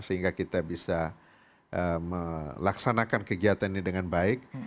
sehingga kita bisa melaksanakan kegiatan ini dengan baik